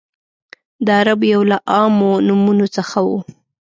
د عربو یو له عامو نومونو څخه و.